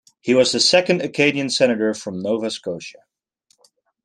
He was the second Acadian senator from Nova Scotia.